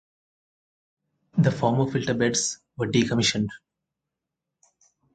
The former filter beds were decommissioned.